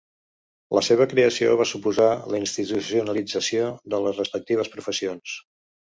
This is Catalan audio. La seva creació va suposar la institucionalització de les respectives professions.